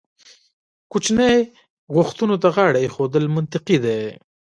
کوچنۍ غوښتنو ته غاړه ایښودل منطقي دي.